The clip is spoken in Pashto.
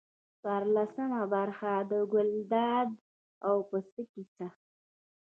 څوارلسمه برخه د ګلداد او پسه کیسه.